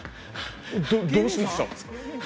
どうしました？